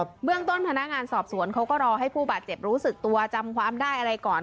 เบื้องต้นพนักงานสอบสวนเขาก็รอให้ผู้บาดเจ็บรู้สึกตัวจำความได้อะไรก่อน